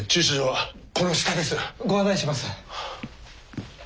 ご案内します。